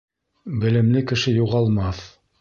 Белемле кеше юғалмаҫ.